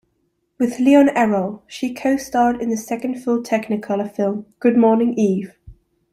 With Leon Errol, she co-starred in the second full Technicolor film Good Morning, Eve!